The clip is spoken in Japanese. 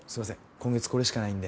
今月これしかないんで。